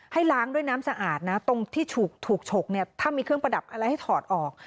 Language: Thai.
ให้ล้างด้วยน้ำสะอาดนะตรงที่ถูกฉกเนี่ยถ้ามีเครื่องประดับอะไรให้ถอดออก